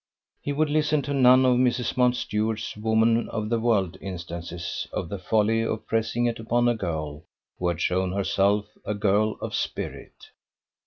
He would listen to none of Mrs. Mountstuart's woman of the world instances of the folly of pressing it upon a girl who had shown herself a girl of spirit.